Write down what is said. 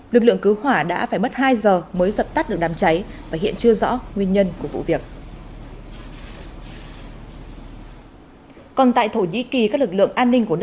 lực lượng cứu hỏa đã phải mất hai giờ mới dập tắt được đám cháy và hiện chưa rõ nguyên nhân của vụ việc